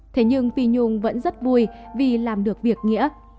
thế nhưng phi nhung vẫn rất vui vì làm được việc nghĩa